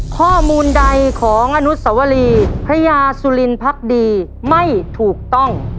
ข้อมูลใดของอนุสวรีพระยาสุลินพักดีไม่ถูกต้อง